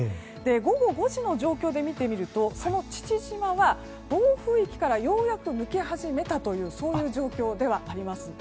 午後５時の状況で見てみるとその父島は暴風域からようやく抜け始めたという状況ではあります。